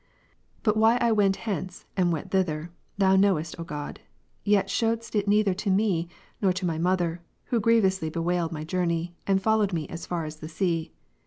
15. But why I went hence, and went thither. Thou knew est, O God, yet shewedst it neither to me, nor to my mother, who grievously bewailed my journey, and followed me as far as the sea.